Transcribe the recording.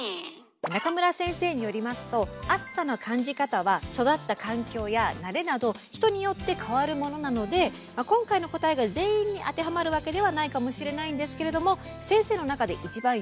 中村先生によりますと暑さの感じ方は育った環境や慣れなど人によって変わるものなので今回の答えが全員に当てはまるわけではないかもしれないんですけれども先生の中で一番有力だと思われる解説をして頂きました。